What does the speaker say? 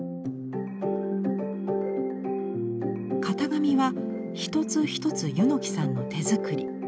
型紙は一つ一つ柚木さんの手作り。